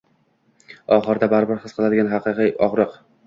Oxirida baribir his qiladigan haqiqiy og’rig’